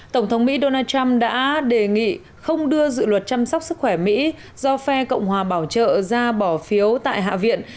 tổng thống mỹ donald trump đã đề nghị không đưa dự luật chăm sóc sức khỏe mỹ do phe cộng hòa bảo trợ ra bỏ phiếu tại hạ viện